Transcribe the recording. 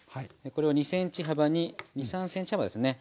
これを２ｃｍ幅に２３ｃｍ幅ですね